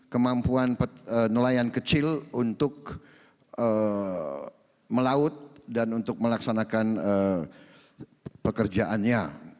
kemampuan nelayan kecil untuk melaut dan untuk melaksanakan pekerjaannya